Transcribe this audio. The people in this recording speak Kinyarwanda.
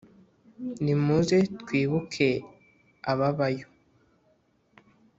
nimuze, twibuke ababayo :